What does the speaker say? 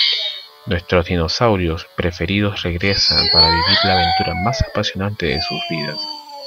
Nuestros dinosaurios preferidos regresan para vivir la aventura más apasionante de sus vidas.